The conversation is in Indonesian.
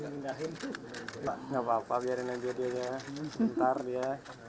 enggak papa biarin aja ya ntar ya